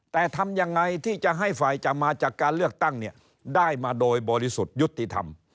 แต่ทำยังไงที่จะให้ฝ่ายจะมาจากการเลือกตั้งเนี่ยได้มาโดยบริสุทธิ์ยุติธรรม